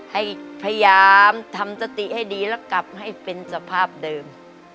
ให้พยายามทำสติให้ดีแล้วกลับให้เป็นสภาพเดิม